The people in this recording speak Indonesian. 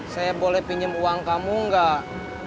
saya boleh pinjem uang kamu nggak